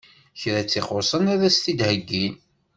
Kra tt-ixuṣṣen ad as-t-id-heggin.